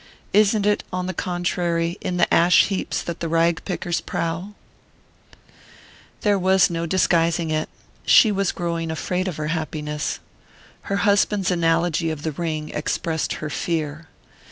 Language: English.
"Isn't it, on the contrary, in the ash heaps that the rag pickers prowl?" There was no disguising it: she was growing afraid of her happiness. Her husband's analogy of the ring expressed her fear.